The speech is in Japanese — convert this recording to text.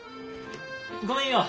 ごめんよ！